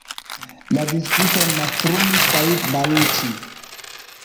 La diskuton mastrumis Said Baluĉi.